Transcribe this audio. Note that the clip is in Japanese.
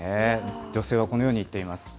女性はこのように言っています。